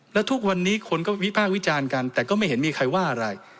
แล้วทุกวันนี้คนก็วิพากษ์วิจารณ์กันแต่ก็ไม่เห็นมีใครว่าอะไร